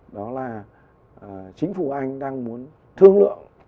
đó là chính phủ anh đang muốn thương lượng